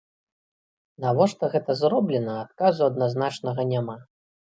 Навошта гэта зроблена, адказу адназначнага няма.